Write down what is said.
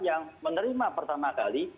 yang menerima pertama kali